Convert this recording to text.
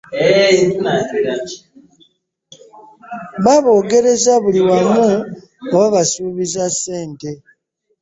Baboogereza buli wamu nga babasuubiza ssente.